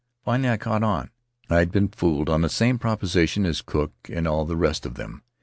Finally I caught on; I'd been fooled on the same proposition as Cook and all the rest of them.